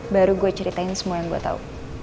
baru gue ceritain semua yang gue tahu